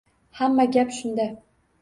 Hamma gap shunda